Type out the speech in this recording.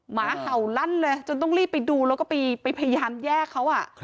หมาเห่าลั่นเลยจนต้องรีบไปดูแล้วก็ไปพยายามแยกเขา